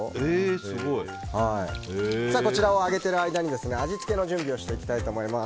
こちらを揚げている間に味付けの準備をしていきます。